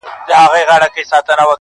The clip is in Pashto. o اوښ تر پله لاندي نه سي پټېدلاى٫